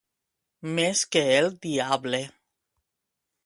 Més que el diable.